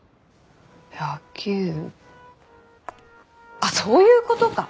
あっそういう事か！